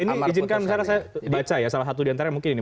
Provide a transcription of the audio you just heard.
ini izinkan saya baca salah satu diantara mungkin ini